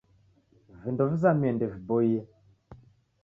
Vindo vizamie ndeviboie